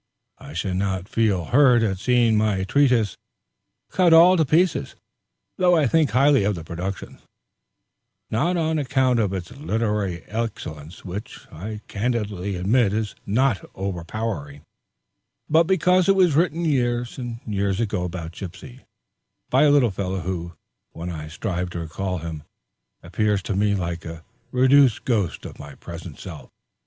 I shall not feel hurt at seeing my treatise cut all to pieces; though I think highly of the production, not on account of its literary excellence, which I candidly admit is not overpowering, but because it was written years and years ago about Gypsy, by a little fellow who, when I strive to recall him, appears to me like a reduced ghost of my present self.